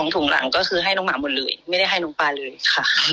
ถุงหลังก็คือให้น้องหมาหมดเลยไม่ได้ให้น้องปลาเลยค่ะ